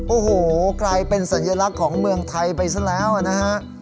โอ้โหกลายเป็นสัญลักษณ์ของเมืองไทยไปซะแล้วนะฮะ